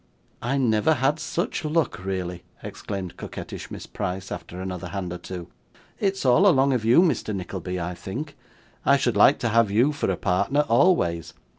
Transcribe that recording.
'I never had such luck, really,' exclaimed coquettish Miss Price, after another hand or two. 'It's all along of you, Mr. Nickleby, I think. I should like to have you for a partner always.